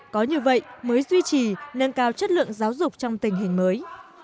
có như vậy mới duy trì nâng cao chất lượng giáo dục trong tình hình mới